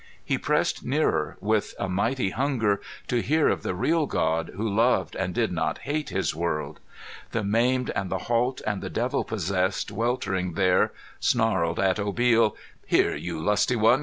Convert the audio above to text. He pressed nearer, with a mighty hunger to hear of the real God, who loved and did not hate His world. The maimed and the halt and the devil possessed weltering there snarled at Obil, "Here, you lusty one!